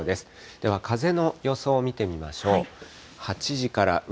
では風の予想を見てみましょう。